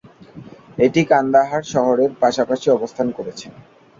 এটি কান্দাহার শহরের পাশাপাশি অবস্থান করছে।